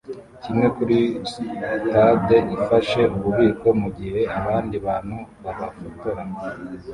kimwe kuri stade ifashe ububiko mugihe abandi bantu babafotora